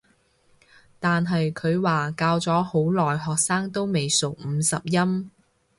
但係佢話教咗好耐學生都未熟五十音